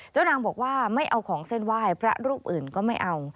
เจ้านางบอกว่าไม่เอาของเส้นไหว้พระรูปอื่นก็ไม่เอา